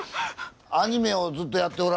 アニメをずっとやっておられると。